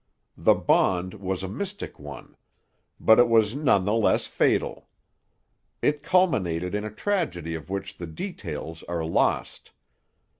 The bond was a mystic one. But it was none the less fatal. It culminated in a tragedy of which the details are lost.